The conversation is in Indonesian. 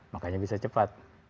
makanya bisa cepat